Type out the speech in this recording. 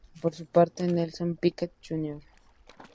Por su parte Nelson Piquet Jr.